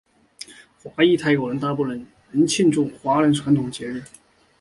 华裔泰国人大部分仍庆祝华人传统节日。